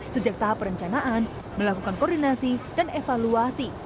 sejak tahap perencanaan melakukan koordinasi dan evaluasi